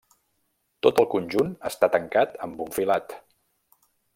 Tot el conjunt està tancat amb un filat.